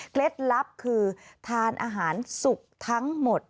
เคล็ดลับคือทานอาหารสุขทั้งหมด